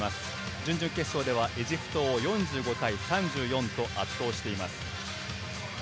準々決勝ではエジプトを４５対３４と圧倒しています。